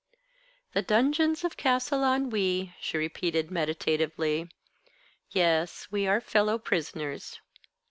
"The dungeons of Castle Ennui," she repeated meditatively. "Yes, we are fellow prisoners.